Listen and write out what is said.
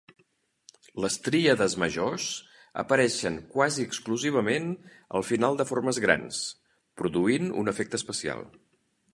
Les tríades majors apareixen quasi exclusivament al final de formes grans, produint un efecte especial.